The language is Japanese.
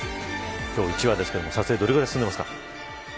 今日１話ですが、撮影どれくらい進んでますか。